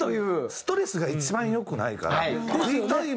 ストレスが一番良くないから。ですよね！